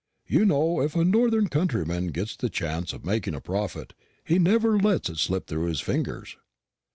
You know if a north countryman gets the chance of making a profit, he never lets it slip through his fingers."